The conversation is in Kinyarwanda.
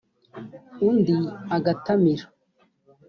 ubundi agatamira